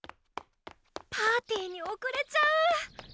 パーティーにおくれちゃう！